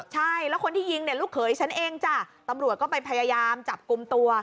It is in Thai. ใช่แล้วคนที่ยิงเนี่ยลูกเขยฉันเองจ้ะตำรวจก็ไปพยายามจับกลุ่มตัว